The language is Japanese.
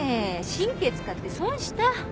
神経使って損した。